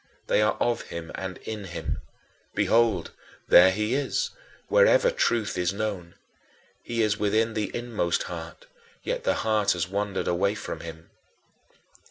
They are of him and in him. Behold, there he is, wherever truth is known. He is within the inmost heart, yet the heart has wandered away from him.